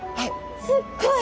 すっごい！